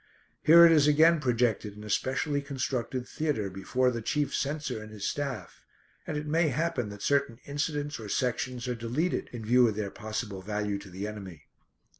Here it is again projected in a specially constructed theatre, before the chief censor and his staff, and it may happen that certain incidents or sections are deleted in view of their possible value to the enemy.